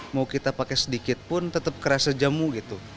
mau kita pakai sedikit pun tetap kerasa jamu gitu